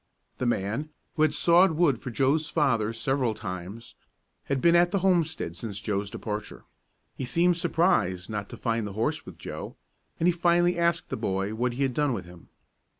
The man, who had sawed wood for Joe's father several times, had been at the homestead since Joe's departure. He seemed surprised not to find the horse with Joe, and he finally asked the boy what he had done with him.